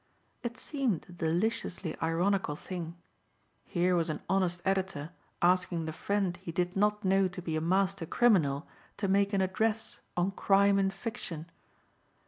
It seemed a deliciously ironical thing. Here was an honest editor asking the friend he did not know to be a master criminal to make an address on crime in fiction.